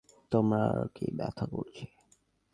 তোমার কি ব্যাথা করছে?